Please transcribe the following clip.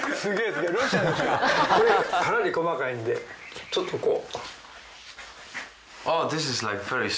かなり細かいんでちょっとこう。